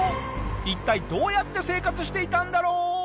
一体どうやって生活していたんだろう？